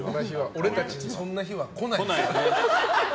俺たちにそんな日は来ない。